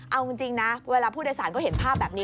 เอาจริงนะเวลาผู้โดยสารก็เห็นภาพแบบนี้